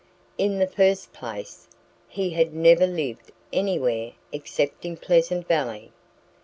In the first place, he had never lived anywhere except in Pleasant Valley.